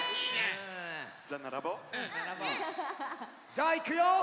じゃあいくよ。